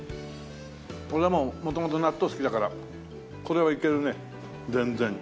俺はもう元々納豆好きだからこれはいけるね全然。